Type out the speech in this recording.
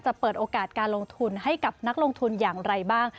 เปิดโอกาสการลงทุนให้กับนักลงทุนอย่างไรบ้าง